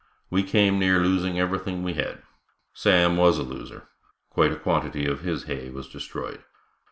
We came near losing everything we had. Sam was a loser, quite a quantity of his hay was destroyed.